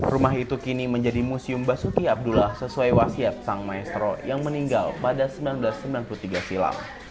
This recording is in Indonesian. rumah itu kini menjadi museum basuki abdullah sesuai wasiat sang maestro yang meninggal pada seribu sembilan ratus sembilan puluh tiga silam